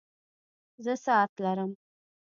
زه ساعت لرم